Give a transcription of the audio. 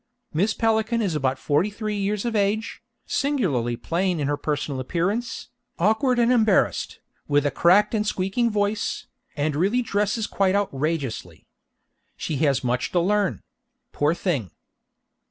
Miss Pelican is about forty three years of age, singularly plain in her personal appearance, awkward and embarrassed, with a cracked and squeaking voice, and really dresses quite outrageously. _She has much to learn poor thing!